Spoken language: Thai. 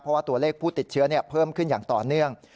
เพราะว่าตัวเลขผู้ติดเชื้อเพิ่มขึ้นอย่างต่อเนื่อง